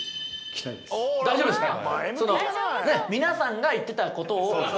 大丈夫ですか？